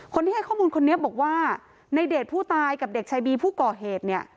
คนที่ให้ข้อมูลคนนี้บอกว่าในเดชผู้ตายกับเด็กชายบีผู้ก่อเหตุเนี่ย